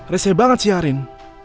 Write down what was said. reset banget sih ya rin